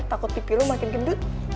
takut pipi lo makin gendut